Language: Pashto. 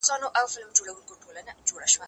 زه بايد پاکوالي وساتم؟!